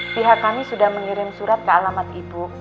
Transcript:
pihak kami sudah mengirim surat ke alamat ibu